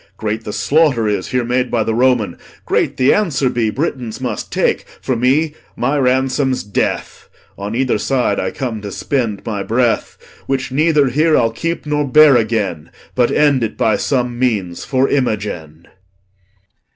Great the slaughter is Here made by th' Roman; great the answer be Britons must take. For me, my ransom's death; On either side I come to spend my breath, Which neither here I'll keep nor bear again, But end it by some means for Imogen.